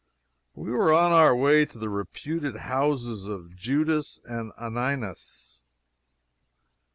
We were on our way to the reputed houses of Judas and Ananias.